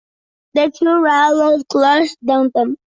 The two railroads cross downtown.